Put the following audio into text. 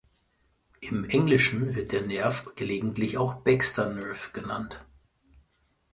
Im Englischen wird der Nerv gelegentlich auch „Baxter nerve“ genannt.